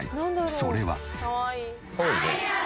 それは。